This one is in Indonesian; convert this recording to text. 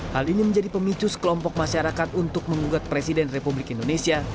hal ini menjadi pemicu sekelompok masyarakat untuk mengugat presiden republik indonesia